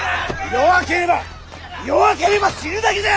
弱ければ弱ければ死ぬだけじゃ！